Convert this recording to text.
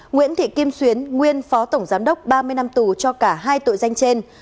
nguyễn thị kim xuyến nguyên phó tổng giám đốc ba mươi năm tù cho cả hai tội danh trên